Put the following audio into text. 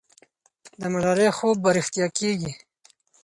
د ملالۍ خوب به رښتیا کېږي.